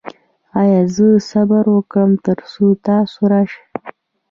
ایا زه صبر وکړم تر څو تاسو راشئ؟